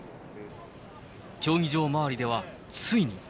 競技場周りでは、ついに。